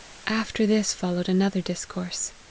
After this follow ed another discourse.